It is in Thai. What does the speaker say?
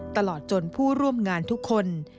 ตลอดจนผู้ร่วมงานทุกคน